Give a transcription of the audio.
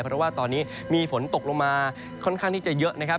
เพราะว่าตอนนี้มีฝนตกลงมาค่อนข้างที่จะเยอะนะครับ